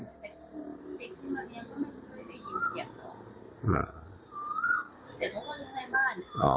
อื้อ